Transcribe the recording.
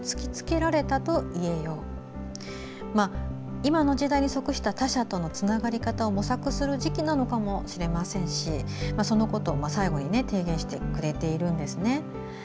今の時代に即した他者とのかかわり方を模索する時期なのかもしれませんしそのことを最後に提言してくれているんですね。